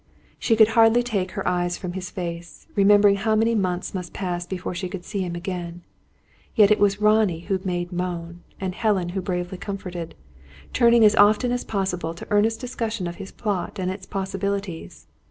She could hardly take her eyes from his face, remembering how many months must pass before she could see him again. Yet it was Ronnie who made moan, and Helen who bravely comforted; turning as often as possible to earnest discussion of his plot and its possibilities.